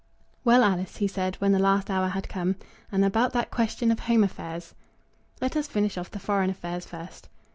"Well, Alice," he said, when the last hour had come, "and about that question of home affairs?" "Let us finish off the foreign affairs first."